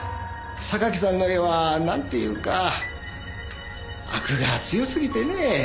榊さんの絵は何ていうかアクが強すぎてねえ。